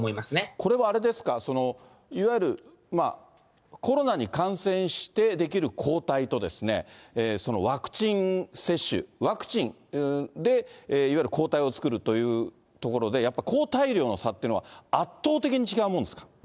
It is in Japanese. これはあれですか、いわゆる、コロナに感染して出来る抗体と、ワクチン接種、ワクチンでいわゆる抗体を作るというところで、やっぱり抗体量の差というのは圧倒的に違うものですか。